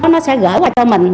nó sẽ gửi lại cho mình